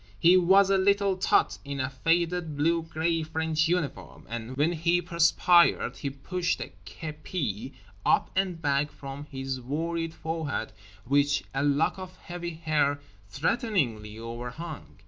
He was a little tot in a faded blue grey French uniform; and when he perspired he pushed a kepi up and back from his worried forehead which a lock of heavy hair threateningly overhung.